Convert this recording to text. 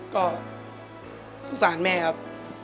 ก็สงสารแม่ครับ